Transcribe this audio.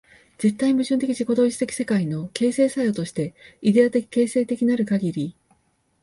絶対矛盾的自己同一的世界の形成作用として、イデヤ的形成的なるかぎり、